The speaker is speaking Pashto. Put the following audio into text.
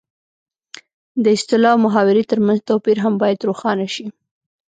د اصطلاح او محاورې ترمنځ توپیر هم باید روښانه شي